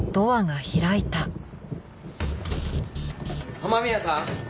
雨宮さん？